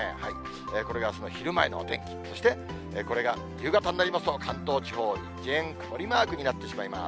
これがあすの昼前のお天気、そしてこれが夕方になりますと、関東地方一円曇りマークになってしまいます。